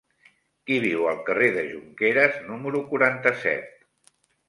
Qui viu al carrer de Jonqueres número quaranta-set?